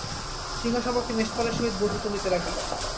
সিংহশাবকটি মেষপালের সহিত বর্ধিত হইতে লাগিল।